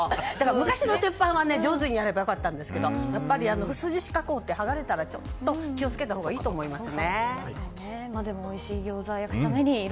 昔の鉄板は上手にやればよかったんですけど樹脂加工って剥がれたら気を付けたほうがいいと思います。